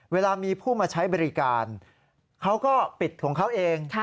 เวลามีผู้มาใช้บริการเขาก็ปิดของเขาเอง